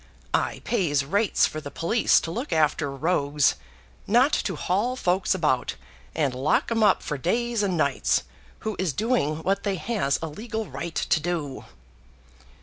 I pays rates for the police to look after rogues, not to haul folks about and lock 'em up for days and nights, who is doing what they has a legal right to do."